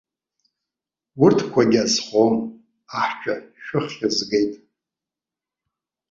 Урҭқәагьы азхом, аҳцәа, шәыххь згеит!